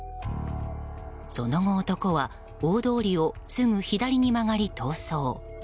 その後、男は大通りをすぐ左に曲がり逃走。